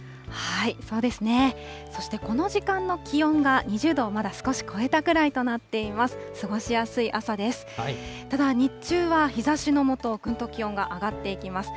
そしてこの時間の気温が２０度をまだ少し超えたくらいとなっています。